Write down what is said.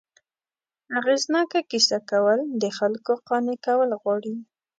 اغېزناکه کیسه کول، د خلکو قانع کول غواړي.